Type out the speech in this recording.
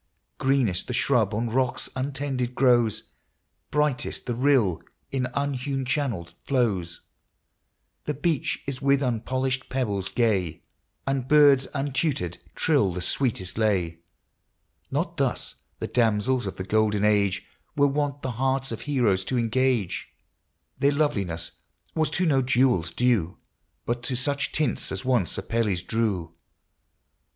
Greenest the shrub on rocks untended grows, Brightest the rill in unhewn channel flows. The beach is with unpolished pebbles gay, And birds untutored trill the sweetest lay. Not thus the damsels of the golden age Were wont the hearts of heroes to engage : Their loveliness was to no jewels due, But to such tints as once Apelles drew. LIFE.